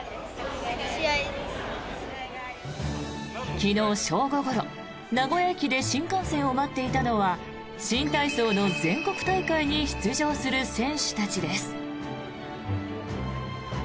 昨日正午ごろ、名古屋駅で新幹線を待っていたのは新体操の全国大会に出場する選手たちです。